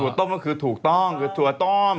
ถูกต้องก็คือถูกต้องถั่วต้อม